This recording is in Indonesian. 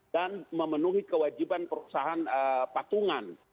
dan memenuhi kewajiban perusahaan patungan